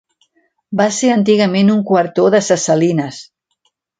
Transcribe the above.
Va ser antigament un quartó de ses Salines.